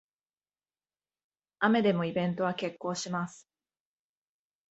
雨でもイベントは決行します